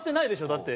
だって。